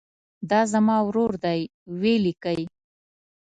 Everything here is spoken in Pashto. دا زما ورور دی ولیکئ.